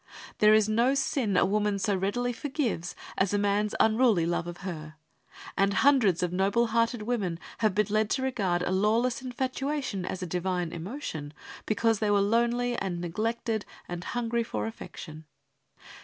There is no sin a woman so readily forgives as a man's unruly love for her, and hundreds of noble hearted women have been led to regard a lawless infatuation as a divine emotion, because they were lonely, and neglected, and hungry for affection.